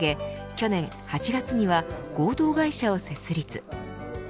去年８月には合同会社を設立。